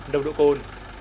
nồng độ cồn